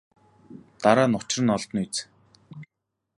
Дараа нь учир нь олдоно биз.